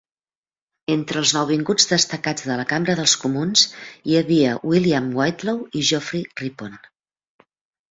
Entre els nouvinguts destacats de la Cambra dels Comuns hi havia William Whitelaw i Geoffrey Rippon.